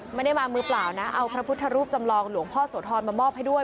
ไม่ได้มามือเปล่านะเอาพระพุทธรูปจำลองหลวงพ่อโสธรมามอบให้ด้วย